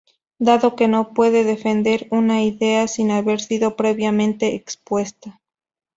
Dado que no se puede defender una idea sin haber sido previamente expuesta.